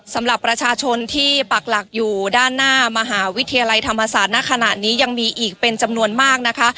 สำหรับประชาชนที่ปักหลักอยู่ด้านหน้ามหาวิทยาลัยธรรมศาสตร์ณขณะนี้ยังมีอีกเป็นจำนวนมากนะคะ